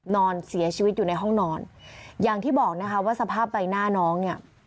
นอนเสียชีวิตอยู่ในห้องนอนอย่างที่บอกนะคะว่าสภาพใบหน้าน้องเนี่ย